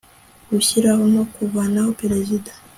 gushyiraho no kuvanaho perezida